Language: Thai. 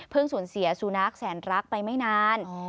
สูญเสียสุนัขแสนรักไปไม่นาน